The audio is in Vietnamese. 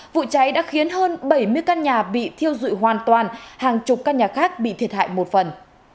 vụ cháy đã khiến hơn bảy mươi căn nhà bị thiêu dụi hoàn toàn hàng chục căn nhà khác bị thiệt hại một phần